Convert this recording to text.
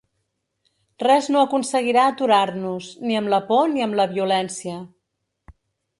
Res no aconseguirà aturar-nos, ni amb la por ni amb la violència.